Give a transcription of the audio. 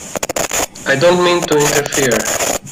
I don't mean to interfere.